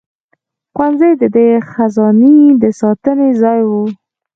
ښوونځي د دې خزانې د ساتنې ځای وو.